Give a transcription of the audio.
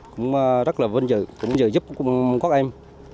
cũng rất là vinh dự vinh dự giúp các em